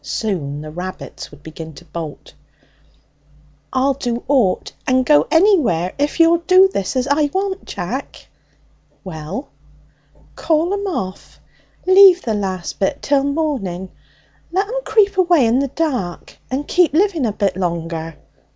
Soon the rabbits would begin to bolt. 'I'll do ought and go anywhere if you'll do this as I want, Jack.' 'Well?' 'Call 'em off! Leave the last bit till morning. Let 'em creep away in the dark and keep living a bit longer!'